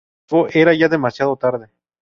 Sin embargo, era ya demasiado tarde.